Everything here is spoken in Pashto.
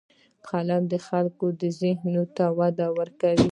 قلم د خلکو ذهنونو ته وده ورکوي